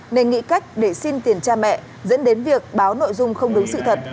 nên nghĩ cách để xin tiền cha mẹ dẫn đến việc báo nội dung không đúng sự thật